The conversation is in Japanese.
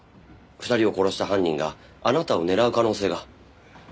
２人を殺した犯人があなたを狙う可能性が。